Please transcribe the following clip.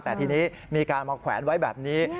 แต่ทีนี้มีการมาแขวนไว้แบบนี้